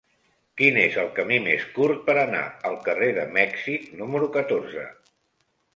Quin és el camí més curt per anar al carrer de Mèxic número catorze?